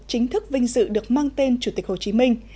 chính thức vinh dự được mang tên chủ tịch hồ chí minh